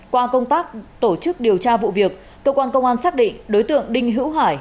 qua công tác tổ chức điều tra vụ việc cơ quan công an xác định đối tượng đinh hữu hải